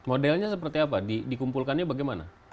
modelnya seperti apa dikumpulkannya bagaimana